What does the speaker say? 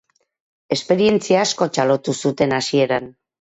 Esperientzia asko txalotu zuten hasieran.